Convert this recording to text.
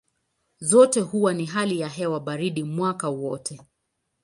Zote huwa na hali ya hewa baridi mwaka wote.